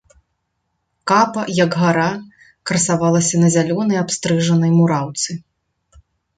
Капа, як гара, красавалася на зялёнай абстрыжанай мураўцы.